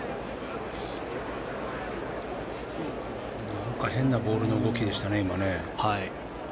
なんか変なボールの動きでしたね。